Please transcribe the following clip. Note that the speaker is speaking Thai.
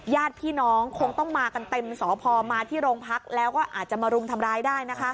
ญาติพี่น้องคงต้องมากันเต็มสพมาที่โรงพักแล้วก็อาจจะมารุมทำร้ายได้นะคะ